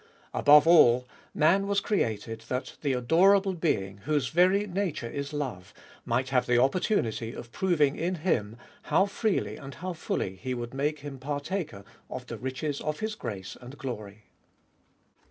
Above all, man was created that the adorable Being, whose very nature is love, might have the opportunity of proving in Him how freely and how fully he would make him partaker of the riches of His grace and glory.